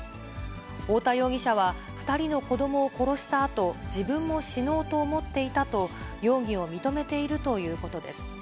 太田容疑者は、２人の子どもを殺したあと、自分も死のうと思っていたと容疑を認めているということです。